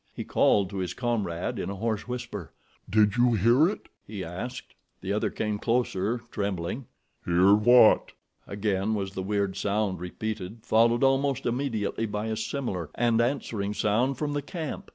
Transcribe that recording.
He called to his comrade in a hoarse whisper. "Did you hear it?" he asked. The other came closer, trembling. "Hear what?" Again was the weird sound repeated, followed almost immediately by a similar and answering sound from the camp.